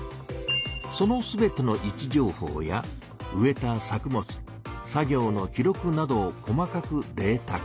その全ての位置情報や植えた作物作業の記録などを細かくデータ化。